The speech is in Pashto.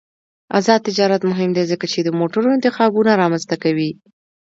آزاد تجارت مهم دی ځکه چې د موټرو انتخابونه رامنځته کوي.